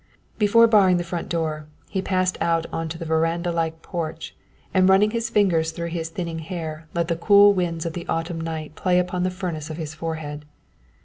Before barring the front door, he passed out on to the verandah like porch and running his fingers through his thinning hair let the cool winds of the autumn night play upon the furnace of his forehead.